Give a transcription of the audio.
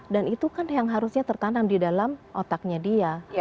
dan itu kan yang harusnya tertanam di dalam otaknya dia